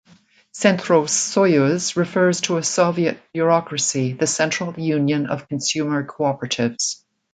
Centrosoyuz refers to a Soviet bureaucracy, the Central Union of Consumer Cooperatives.